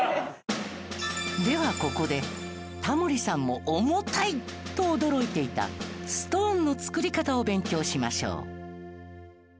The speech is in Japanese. ではここでタモリさんも重たいと驚いていたストーンの作り方を勉強しましょう。